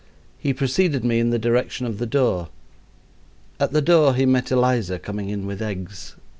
He preceded me in the direction of the door. At the door he met Eliza coming in with eggs.